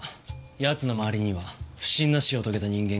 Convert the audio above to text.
奴の周りには不審な死を遂げた人間がいる。